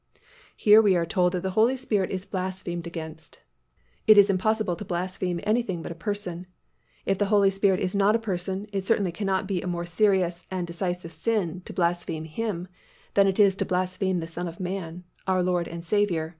Here we are told that the Holy Spirit is blasphemed against. It is impossible to blaspheme anything but a person. If the Holy Spirit is not a person, it certainly cannot be a more serious and decisive sin to blaspheme Him than it is to blaspheme the Son of man, our Lord and Saviour, Jesus Christ Himself.